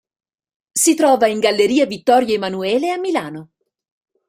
Si trova in Galleria Vittorio Emanuele, a Milano.